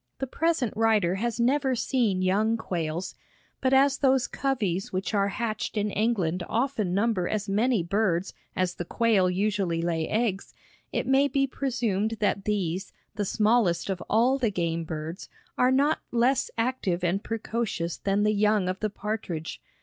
The present writer has never seen young quails, but as those coveys which are hatched in England often number as many birds as the quail usually lay eggs, it may be presumed that these, the smallest of all the game birds, are not less active and precocious than the young of the partridge.